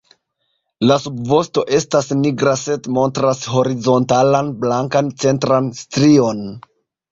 La subvosto estas nigra sed montras horizontalan blankan centran strion.